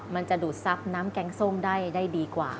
มันจะดูดซับน้ำแกงส้มได้ดีกว่า